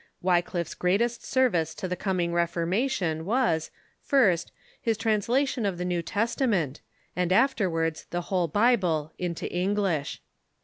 246 THE REFORMATION Wycliffe's greatest service to the coming Reformation was, first, his translation of the New Testament, and afterwards the Avhole Bible, into English.